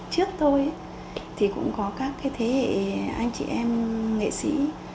trước tôi thì cũng có các thế hệ anh chị em nghệ sĩ